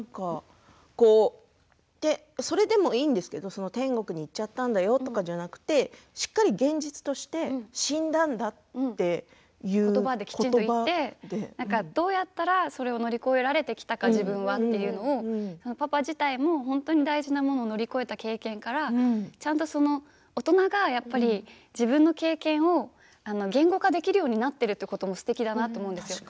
それでもいいんですけれども天国に行っちゃったんだよではなくてしっかり現実として言葉でちゃんと言ってどうやって乗り越えられたかパパ自体も本当に大事なものを乗り越えた経験から大人が自分の経験を言語化できるようになっているというのもすてきだなと思うんです。